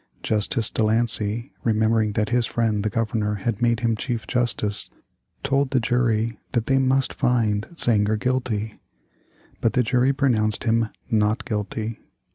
Justice De Lancey, remembering that his friend the Governor had made him Chief Justice, told the jury that they must find Zenger guilty. But the jury pronounced him not guilty.